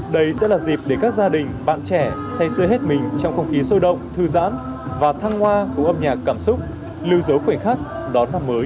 đây sẽ là dịp để các gia đình bạn trẻ say sưa hết mình trong không khí sôi động thư giãn và thăng hoa cùng âm nhạc cảm xúc lưu dấu khoảnh khắc đón năm mới